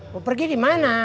mau pergi dimana